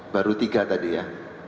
baru tiga tadi ya